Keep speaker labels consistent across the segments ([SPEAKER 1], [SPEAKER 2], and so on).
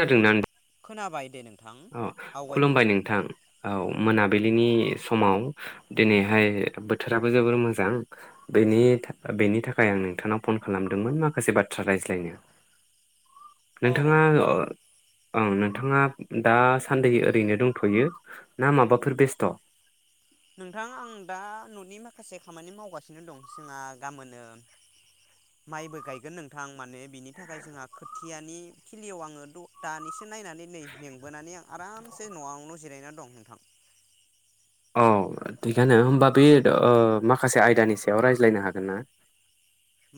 [SPEAKER 1] जादोंनान
[SPEAKER 2] खोनाबाय दे नों
[SPEAKER 1] अ खुलुमबाय नोंथां औ मोनाबिलिनि समाव दिनैहाय बोथोराबो जोबोर मोजां बेनि था बेनि थाखाय आं नोंथांनाव फन खालामदोंमोन माखासे बाथ्रा रायज्लायनो।
[SPEAKER 2] औ
[SPEAKER 1] नोंथाङा अ
[SPEAKER 2] नोंथां
[SPEAKER 1] औ नोंथाङा दासान्दि ओरैनो दंथयो ना माबाफोर बेस्थ?
[SPEAKER 2] नोंथां आं दा ननि माखासे खामानि मावगासिनो दं जोंहा गामोनो माइबो गायगोन नोंथां माने बिनि थाखाय जोंहा खोथियानि खिलियाव आङो द दानिस एसे नायनानै नै मेंबोनानै आं आरामसे नआवनो जिरायनानै दं नोंथां।
[SPEAKER 1] औ थिगानो होमबा बे ओ माखासे आयदानि सायाव रायज्लायनो हागोन ना?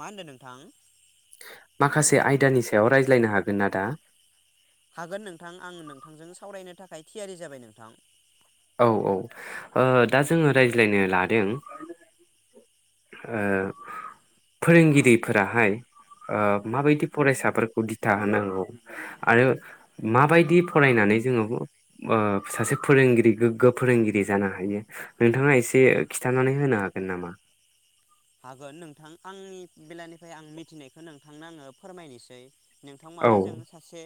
[SPEAKER 2] मा होन्दों नोंथां?
[SPEAKER 1] माखासे आयदानि सायाव रायज्लायनो हागोन आ दा?
[SPEAKER 2] हागोन नोंथां आं नोंथांजों सावरायनो थाखाय थियारि जाबाय नोंथां
[SPEAKER 1] औ औ ओ दा जोङो रायज्लायनो लादों ओ फोरोंगिरिफोराहाय ओ माबायदि फरायसाफोरखौ दिथा होनांगौ आरो माबायदि फरायनानै जोङो ओ सासे फोरोंगिरि गोग्गो फोरोंगिरि जानो हायो नोंथाङा एसे खिन्थानानै होनो हागोन नामा
[SPEAKER 2] हागोन नोंथां आंनि बेलानिफ्राय आं मिथिनायखौ नोंथांनो आङो फोरमायनिसै नोंथां
[SPEAKER 1] औ
[SPEAKER 2] माने जों सासे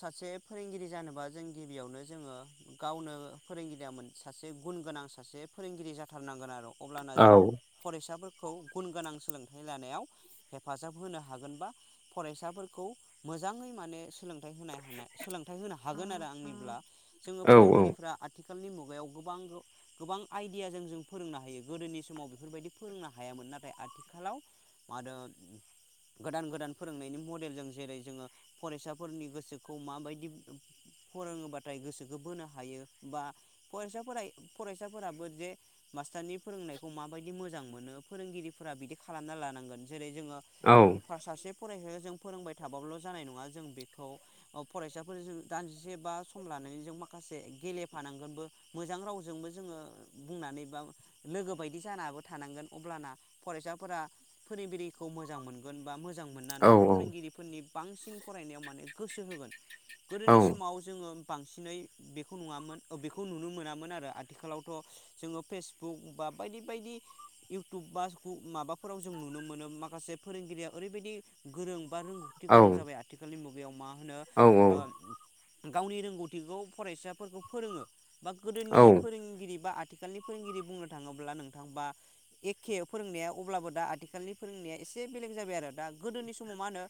[SPEAKER 2] सासे फोरोंगिरि जानोबा जों गिबियावनो जोङो गावनो फोरोंगिरिया मोन सासे गुन गोनां सासे फोरोंगिरि जाथारनांगोन आरो अब्लाना
[SPEAKER 1] औ
[SPEAKER 2] जों फरायसाफोरखौ गुन गोनां सोलोंथाइ लानायाव हेफाजाब होनो हागोनबा फरायसाफोरखौ मोजाङै माने सोलों होनो हानाय सोलोंथाइ होनो हायो। हागोन आरो आंनिब्ला जोङो
[SPEAKER 1] औ
[SPEAKER 2] फोरोंगिरिफ्रा आथिखाल आथिखालनि मुगायाव गोबां गोबां आइडियाजों जों फोरोंनो हायो गोदोनि समाव बेफोरबायदि फोरोंनो हायामोन नाथाय आथिखालाव आरो गोदान गोदान फोरोंनायनि मडेलजों जेरै जोङो फरायसाफोरनि गोसोखौ माबायदि फोरोङोबाथाय गोसोखौ बोनो हायो बा फरायसाफोरा फरायसाफोराबो जे मास्टारनि फोरोंनायखौ मा बायदि मोजां मोनो फोरोंगिरिफोरा बिदि खालामना लानांगोन जेरै जोङो
[SPEAKER 1] औ
[SPEAKER 2] फार सासे फराय जों फोरोंबाय थाबाबल जानाय नङा जों बेखौ फरायसाफोरजों दानजसे बा सम लानानै जों माखासे गेलेफानांगोनबो मोजां रावजोंबो जोङो बुंनानै बा लोगो बाय बिदि जानाबो थानांगोन अब्ला फरायसाफोरा फोरोंगिरिखौ मोजां मोनगोन बा मो मोजां
[SPEAKER 1] औ
[SPEAKER 2] मोननानै फोरोंगिरिफोरनि बांसिन फरायनायाव माने गोसो होगोन।
[SPEAKER 1] औ
[SPEAKER 2] गोदोनि समाव जोङो बांसिनै बेखौ नङामोन बेखौ नुनो मोनामोन आरो आथिखालावथ जोङो फेसबुक बा बायदि बायदि इउटुब बा माबाफोराव जों नुनो मोनो माखासे फोरोंगिरिया ओरैबायदि गोरों बा रोंगौथि
[SPEAKER 1] औ
[SPEAKER 2] गोनां जाबाय आथिखालनि मुं बेयावमा होनो
[SPEAKER 1] औ
[SPEAKER 2] गावनि रोंगौथिखौ फरायसाफोरखौ फोरोङो बा गोदोनि
[SPEAKER 1] औ
[SPEAKER 2] फोरोंगिरि बा आथि आथिखालनि फोरोंगिरि बुंनो थाङोब्ला अब्ला नोंथांबा एखे फोरोंनाया अब्लाबो दा आथिखालनि फोरोंनाया एसे बेलेग जाबाय आरो दा गोदोनि समाव मा होनो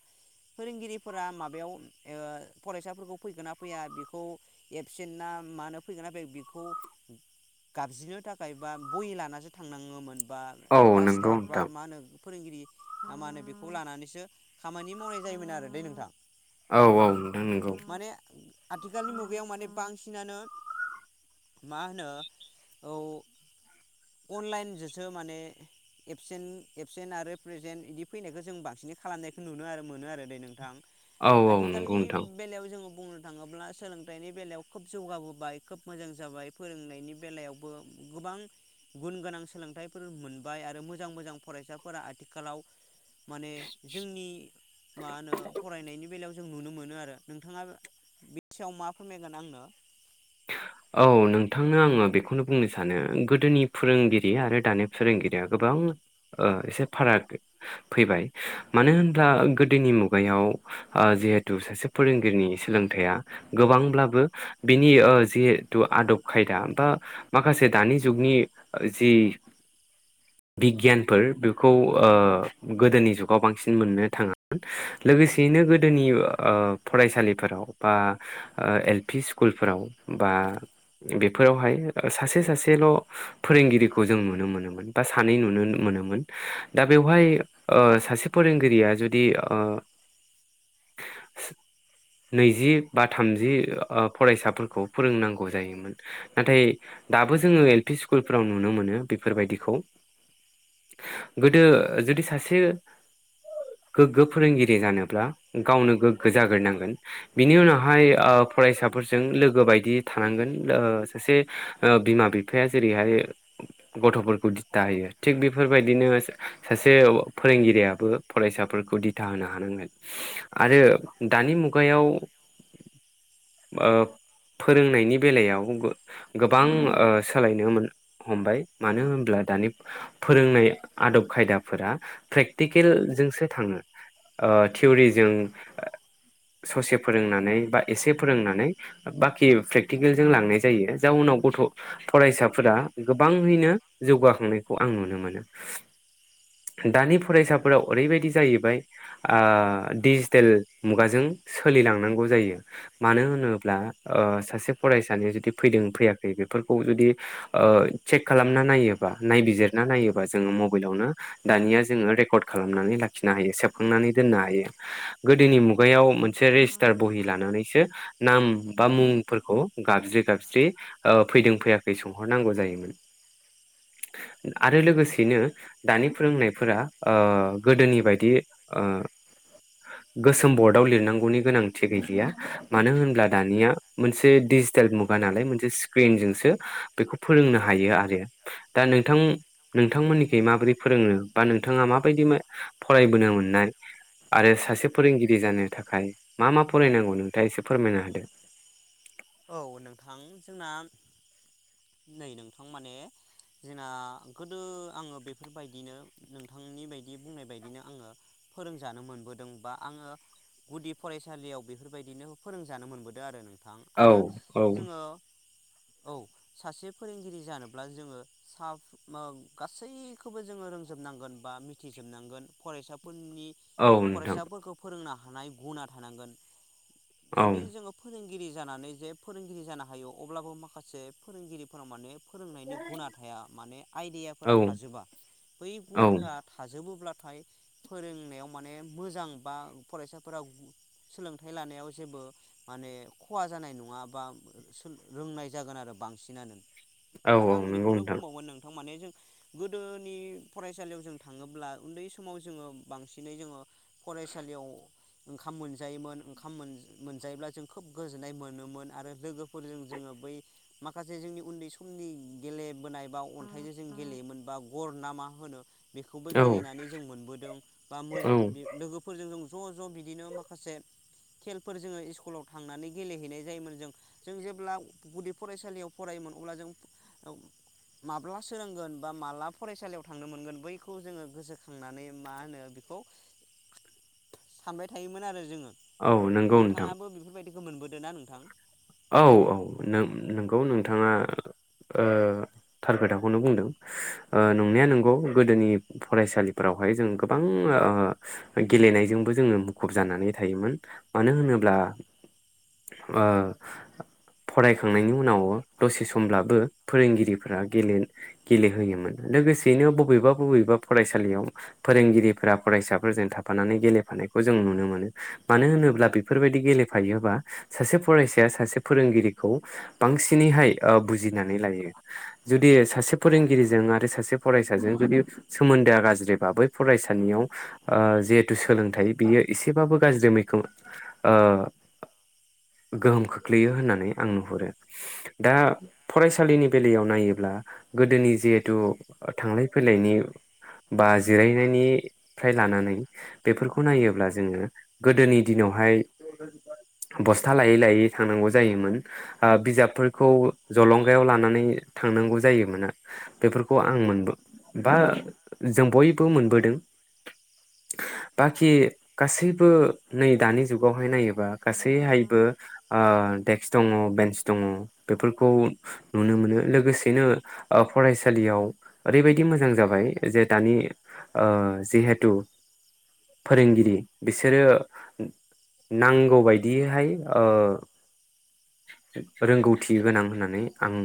[SPEAKER 2] फोरोंगिरिफोरा माबायाव फरायसाफोरखौ फैगोना फैया बेखौ एबसेन्ट ना मानो फैगोन ना फैया बेखौ गाबज्रिनो थाखाय बा बहि लानासो थांनाङोमोन बा
[SPEAKER 1] औ नंगौ
[SPEAKER 2] टासटार बा
[SPEAKER 1] नोंथां
[SPEAKER 2] मा होनो फोरोंगिरि ना मा होनो बेखौ लानानैसो खामानि मावनाय जायोमोन आरो दै नोंथां
[SPEAKER 1] औ औ नोंथां नंगौ
[SPEAKER 2] माने आथिखालनि मुगायाव माने बांसिनानो मा होनो औ अनलाइनजोंसो माने एबसेन एबसेन्ट आरो प्रेजेन्ट बिदि फैनायखौ जों बांसिनै खालामनायखौ नुनो आरो मोनो आरो दे नोंथां।
[SPEAKER 1] औ औ नंगौ
[SPEAKER 2] आथिखालनि
[SPEAKER 1] नोंथां
[SPEAKER 2] बेलायाव जोङो बु बुंनो थाङोब्ला सोलोंथाइनि बेलायाव खोब जौगाबोबाय खोब मोजां जाबाय फोरोंनायनि बेलायावबो गोबां गुन गोनां सोलोंथाइफोर मोनबाय आरो मोजां मोजां फरायसाफोरा आथिखालाव माने जोंनि मा होनो फरायनायनि बेलायाव जो जों नुनो मोनो आरो नोंथाङा बे सायाव मा फोरमायगोन आंनो
[SPEAKER 1] औ नोंथांनो आङो बेखौनो बुंनो सानो गोदोनि फोरोंगिरि आरो दानि फोरोंगिरिया गोबां ओ एसे फाराग ओ फैबाय मानो होनब्ला गोदोनि मुगायाव जिहेथु सासे फोरोंगिरिनि सोलोंथाइया गोबांब्लाबो नि ओ जिहेतु आदब खायदा बा माखासे दानि जुगनि जि बिगियानफोर बिखौ ओ गोदोनि जुगाव बांसिन मोननो थाङामोन लोगोसेयै नो गोदोनि ओ फरायसालिफोराव बा ओ ए ल पि इसकु नि स्कुलफोराव बा बेफोरावहाय सासे सासेल फोरोंगिरिखौ जों नुनो मोनोमोन बा सानै नुनो मोनोमोन दा बेवहाय सासे फोरोंगिरिया जुदि ओ नैजि बा थामजि ओ फरायसाफोरखौ फोरोंनांगौ जायोमोन नाथाय दाबो जोङो एल पि स्कुलफोराव नुनो मोनो बेफोरबायदिखौ गोदो जुदि सासे गोग्गो फोरोंगिरि जानोब्ला गावनो गोग्गो जाग्रोनांगोन बिनि उनावहाय ओ फरायसा फोरजों लोगो बायदि थानांगोन ओ सासे ओ बिमा बिफाया जेरैहाय गथफोरखौ दिथा होयो थिग बेफोरबायदिनो सासे फोरोंगिरियाबो फरायसाफोरखौ दिथा होनो हानांगोन। आरो दानि मुगायाव ओ फोरोंनायनि बेलायाव गोबां ओ सोलायनो हमबाय मानो होनब्ला दानि फोरोंनाय आदब खायदाफोरा प्रेख्टिकेलजोंसो थाङो ओ थियरिजों ससे फोरोंनानै बा एसे फोरोंनानै बाखि प्रेख्टिकेल जों लांनाय जायो जावनाव गथ फरायसाफोरा गोबाङैनो जौगाखांनायखौ आं नुनो मोनो। दानि फरायसाफोराव ओरैबायदि जाहैबाय ओ डिजिटेल मुगाजों सोलिलांनांगौ जायो मानो होनोब होनोब्ला ओ सासे फरायसानिया जुदि फैदों फैयाखै बेफोरखौ जुदि ओ चेक खालामना नायोबा नायबिजिरना नायोबा जोङो मबाइलावनो दानिया जोङो रेकर्ड खालामनानै लाखिनो हायो सेबखांनानै दोननो हायो। गोदोनि मुगायाव मोनसे रेजिस्टार बहि लानानैसो नाम बा मुंफोरखौ गाबज्रि गाबज्रि ओ फैदों फैयाखै सोंहरनांगौ जायोमोन आरो लोगोसेयैनो दानि फोरोंनायफोरा ओ गोदोनि बायदि ओ गोसोम बर्डआव लिरनांगौनि गोनांथि गैलिया मानो होन ब्ला दानिया मोनसे डिजिटेल मुगा नालाय मोनसे स्क्रिनजोंसो बेखौ फोरोंनो हायो आरो। दा नोंथां नोंथांमोननिखै माबोरै फोरोङनो बा नोंथाङा माबायदि फरायबोनो मोननाय आरो सासे फोरोंगिरि जानो थाखाय मा मा फरायनांगौ नोंथाङा एसे फोरमायनो हो [inaudible]
[SPEAKER 2] औ नोंथां जोंना नै नोंथां माने जोंना गोदो आङो बेफोरबायदिनो नोंथांनि बायदि बुंनाय बायदिनो आङो फोरोंजानो मोनबोदों बा आङो गुदि फरायसालियाव बेफोरबायदिनो फोरोंजानो मोनबोदों आरो नोंथां।
[SPEAKER 1] औ
[SPEAKER 2] आरो
[SPEAKER 1] औ।
[SPEAKER 2] जोङो औ सासे फोरोंगिरि जानोब्ला जोङो साब ओ गासैखौबो जोङो रोंजोबनांगोन बा मिथिजोबनांगोन फरायसाफोर नि
[SPEAKER 1] औ नोंथां
[SPEAKER 2] फरायसाफोरखौ फोरोंना थानाय गुना थानांगोन
[SPEAKER 1] औ
[SPEAKER 2] जुदि जोङो फोरोंगिरि जानानै जे फोरोंगिरि जानो हायो अब्लाबो माखासे फोरोंगिरिफोराव माने फोरोंनायनि गुना थाया माने आइडियाफोरा
[SPEAKER 1] औ
[SPEAKER 2] थाजोबा बै
[SPEAKER 1] औ
[SPEAKER 2] गुनफोरा थाजोबोब्ला थाय फोरोंनायाव माने मोजां बा फरायसाफोरा सोलोंथाय लानायाव जेबो माने खहा जानाय नङा बा रोंनाय जागोन आरो बांसिनानो।
[SPEAKER 1] औ
[SPEAKER 2] आरो आं
[SPEAKER 1] नंगौ
[SPEAKER 2] बेखौनो
[SPEAKER 1] नोंथां
[SPEAKER 2] बुंबावगोन नोंथां माने गोदोनि फरायसालियाव जों थाङोब्ला उन्दै समाव जोङो बांसिनै जोङो फरायसालियाव ओंखाम मोनजायोमोन ओखाम मोनजायोब्ला जों खोब गोजोन्नाय मोनोमोन आरो लोगोफोरजों जोङो बै माखासे जोंनि उन्दै समनि गेलेबोनाय बा अन्थायजों जों गेलेयोमोन बा गर ना मा होनो बेखौबो
[SPEAKER 1] औ
[SPEAKER 2] गेलेनानै जों मोनबोदों बा
[SPEAKER 1] औ
[SPEAKER 2] लोगोफोरजों जों ज ज बिदिनो माखासे खेलफोर जोङो इस्कुलाव थांनानै गेलेहैनाय जायोमोन जों जों जेब्ला गुदि फरायसालियाव फरायोमोन अब्ला जों माब्ला सोरगोन बा माब्ला फरायसालियाव थांनो मोनगोन बैखौ जोङो गोसोखांनानै मा होनो बेखौ सानबाय थायोमोन आरो जोङो।
[SPEAKER 1] औ नोंगौ नोंथां।
[SPEAKER 2] बेखौ मोनबोदों ना नोंथां?
[SPEAKER 1] औ औ नोंगौ नोंथाङा ओ थार खोथाखौनो बुंदों ओ नंनाया नोंगौ गोदोनि फरायसालिफोरावहाय जों गोबां ओ गेलेनायजोंबो जोङो मुखुब जानानै थायोमोन मानो होनोब्ला ओ फरायखांनायनि उनाव दसे समब्लाबो फोरोंगिरिफोरा गेलेहोयोमोन लोगोसेयैनो बबेबा बबेबा फरायसालियाव फोरोंगिरिफोरा फरायसाफोरजों थाफानानै गेलेफानायखौ जों नुनो मोनो मानो होनोब्ला बेफोरबायदि गेलेफायोबा सासे फरायसा सासे फोरोंगिरिखौ बांसिनैहाय ओ बुजिनानै लायो जुदि सासे फोरोंगिरिजों आरो सासे फरायसाजों जुदि सोमोन्दोआ गाज्रिबा बै फरायसानियाव ओ जिहेथु सोलोंथाय बियो एसेबाबो गाज्रि मैखोम ओ गोहोम खोख्लैयो होन्नानै आं नुहुरो। दा फरायसालिनि बेलायाव नायोब्ला गोदोनि जिहेथु थांलाय फैलायनि बा जिरायनायनिफ्राय लानानै बेफोरखौ नायोब्ला जोङो गोदोनि दिनावहाय बस्था लायै लायै थांनांगौ जायोमोन ओ बिजाबफोरखौ जलंगायाव लानानै थांनांगौ जायोमोना बेफोरखौ आं मोनबो बा जों बयबो मोनबोदों। बाखि गासैबो नै दानि जुगावहाय नायोबा बा गासै हाय ओ देक्स दङ बेन्स दङ बेफोरखौ नुनो मोनो लोगोसेनो ओ फरायसालियाव ओरैबायदि मोजां जाबाय जे दानि ओ जिहेथु फोरोंगिरि बिसोरो नांगौ बायदियैहाय ओ रोंगौथि गोनां होन्नानै आं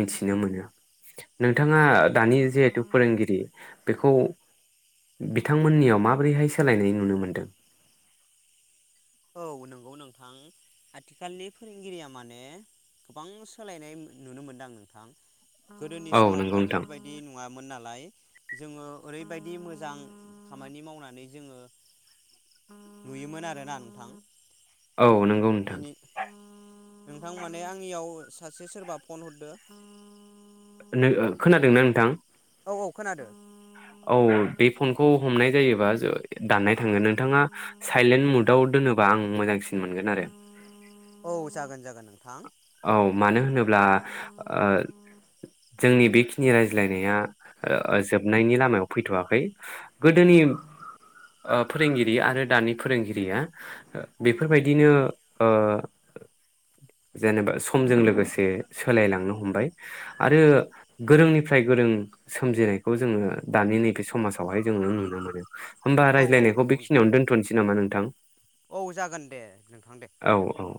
[SPEAKER 1] मिथिनो मोनो। नोंथाङा दानि जिहेथु फोरोंगिरि बेखौ बिथांमोन्नियाव माबोरैहाय सोलायनाय नुनो मोन्दों?
[SPEAKER 2] औ नोंगौ नोंथां। आथिखालनि फोरोंगिरिया माने गोबां सोलायनाय नुनो मोन्दां नोंथां। गोदोनि
[SPEAKER 1] औ
[SPEAKER 2] समावथ
[SPEAKER 1] नंगौ नोंथां
[SPEAKER 2] बेफोरबायदि नङामोन ना लाइ जोङो ओरैबायदि मोजां खामानि मावनानै जोङो नुयोमोन आरोना थां।
[SPEAKER 1] औ नोंगौ नोंथां।
[SPEAKER 2] नोंथां माने आंनियाव सासे सोरबा फन हरदो।
[SPEAKER 1] नोङो खोनादोंना नोंथां।
[SPEAKER 2] औ औ खोनादो।
[SPEAKER 1] औ बे फनखौ हमनाय जायोबा दाननाय थाङो नोंथाङा साइलेन्द मुदाव दोनोबा आं मोजांसिन मोनगोन आरो।
[SPEAKER 2] औ जागोन जागोन नोंथां।
[SPEAKER 1] औ मानो होनोब्ला ओ जोंनि बेखिनि रायज्लायनाया ओ जोबनायनि लामायाव फैथवाखै गोदोनि ओ फोरोंगिरि आरो दानि फोरोंगिरिया बेफोरबायदिनो ओ जेनेबा समजों लोगोसे सोलायलांनो हमबाय आरो गोरोंनिफ्राय गोरों सोमजिनायखौ जोङो दानि नैबे समाजावहाय जोङो नुनो मोनो। होमबा
[SPEAKER 2] औ औ
[SPEAKER 1] रायज्लायनायखौ
[SPEAKER 2] नंगौ नोंथां
[SPEAKER 1] बेखनियाव दोनथनोसै नामा नोंथां।
[SPEAKER 2] औ जागोन दे नोंथां दे जागोन औ।